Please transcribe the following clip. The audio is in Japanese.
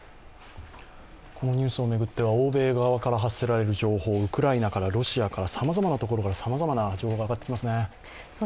このニュースを巡っては欧米側から発せられる情報、ウクライナから、ロシアから、さまざまなところからさまざまな情報が上がってきますね。